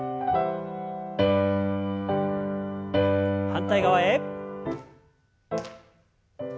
反対側へ。